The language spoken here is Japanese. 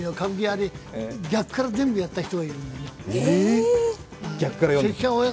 逆から全部やった人がいるんだよ。